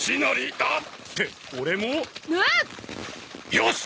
よし！